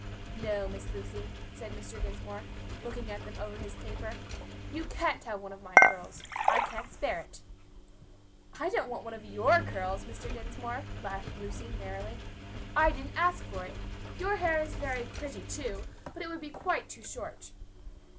"No, Miss Lucy," said Mr. Dinsmore, looking at them over his paper, "you can't have one of my curls; I can't spare it." "I don't want one of your curls, Mr. Dinsmore," laughed Lucy, merrily. "I didn't ask for it. Your hair is very pretty, too, but it would be quite too short."